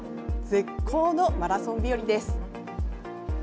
絶好のマラソン日和です。